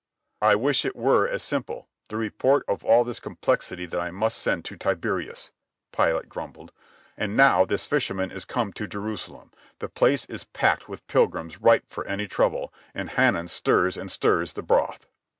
"I wish it were as simple, the report of all this complexity that I must send to Tiberius," Pilate grumbled. "And now this fisherman is come to Jerusalem, the place is packed with pilgrims ripe for any trouble, and Hanan stirs and stirs the broth."